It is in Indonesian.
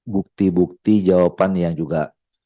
bukti bukti jawaban yang juga